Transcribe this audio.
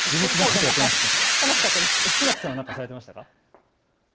船木さんは何かされていましたか。